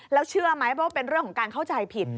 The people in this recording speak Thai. แล้วเชื่อไหมว่าเป็นเรื่องของการเข้าใจผิด